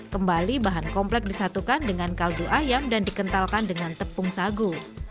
kembali bahan komplek disatukan dengan kaldu ayam dan dikentalkan dengan tepung sagu